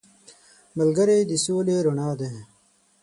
ملګری د سولې رڼا دی